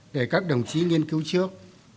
để các đồng chí nghiên cứu trước